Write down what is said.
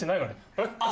えっ！